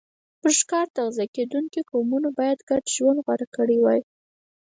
پر ښکار تغذیه کېدونکو قومونو باید ګډ ژوند غوره کړی وای